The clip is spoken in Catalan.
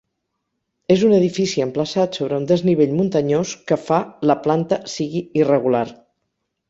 És un edifici emplaçat sobre un desnivell muntanyós que fa la planta sigui irregular.